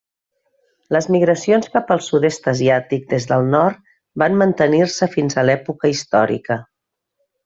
Les migracions cap al sud-est asiàtic des del nord van mantenir-se fins a l'època històrica.